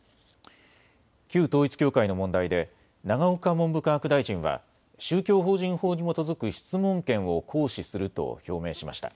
旧統一教会の問題で永岡文部科学大臣は宗教法人法に基づく質問権を行使すると表明しました。